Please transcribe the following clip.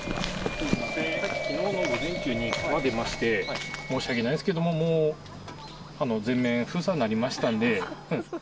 きのうの午前中にクマ出まして、申し訳ないんですけど、もう、全面封鎖になりましたんで。